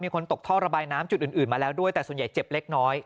คนตกท่อระบายน้ำจุดอื่นมาแล้วด้วยแต่ส่วนใหญ่เจ็บเล็กน้อย